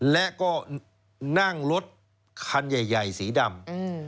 และก็นั่งรถคันใหญ่สีดำ